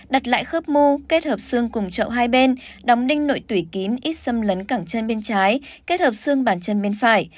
đặt lại khớp mô kết hợp xương cùng chậu hai bên đóng đinh nội tủy kín ít xâm lấn cảng chân bên trái kết hợp xương bàn chân bên phải